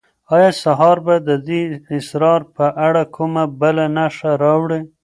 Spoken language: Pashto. آیا سهار به د دې اسرار په اړه کومه بله نښه راوړي؟